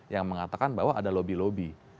yang mengatakan bahwa ada lobby lobby